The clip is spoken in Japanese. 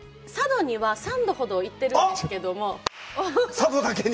佐渡だけに？